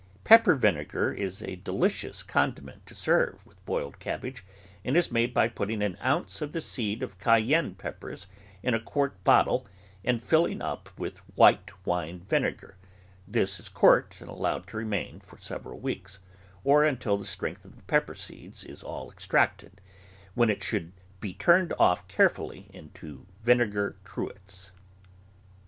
Pepper vinegar is a delicious condiment to serve with boiled cabbage, and is made by putting an ounce of the seed of cayenne peppers in a quart bot tle and filling up with white wine vinegar; this is corked and allowed to remain for several weeks, or until the strength of the pepper seeds is all extracted, when it should be turned off carefully into vinegar cruets.